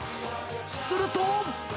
すると。